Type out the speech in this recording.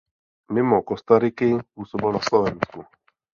Mimo Kostariky působil na Slovensku.